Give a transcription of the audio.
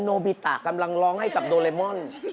โนบิตะกำลังร้องให้กับโดเรมอน